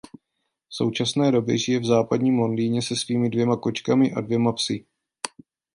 V současné době žije v západním Londýně se svými dvěma kočkami a dvěma psy.